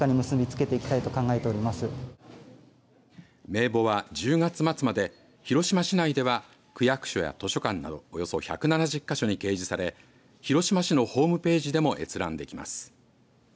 名簿は１０月末まで広島市内では区役所や図書館などおよそ１７０か所に掲示され広島市のホームページでも閲覧できます。